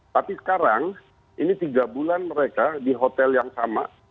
tapi sekarang ini tiga bulan mereka di hotel yang sama